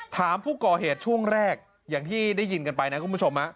ถามผู้ก่อเหตุช่วงแรกอย่างที่ได้ยินกันไปนะคุณผู้ชม